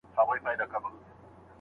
که ته په دقت سره هر توری وګورې.